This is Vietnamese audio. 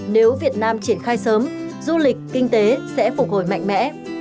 nếu việt nam triển khai sớm du lịch kinh tế sẽ phục hồi mạnh mẽ